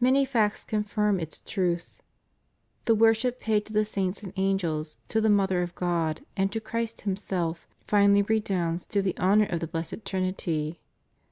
Many facts confirm its truths. The worship paid to the saints and angels, to the Mother of God, and to Christ Himself, finally redounds to the honor of the Blessed Trinity.